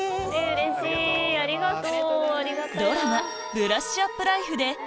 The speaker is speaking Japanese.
うれしいありがとう。